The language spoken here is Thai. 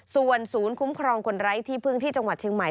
ส่วนศูนย์คุ้มครองคนไร้ที่พึ่งที่จังหวัดเชียงใหม่